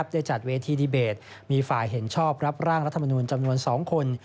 ได้จัดเวทีดีเบตมีฝ่ายเห็นชอบรับร่างรัฐมนูลจำนวน๒คน